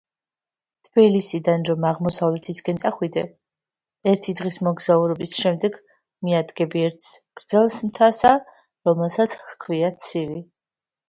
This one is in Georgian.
თბილისიდან რომ აღმოსავლეთისკენ წახვიდე, ერთიდღის მოგზაურობის შემდეგ მიადგები ერთს გრძელსმთასა, რომელსაც ჰქვია ცივი.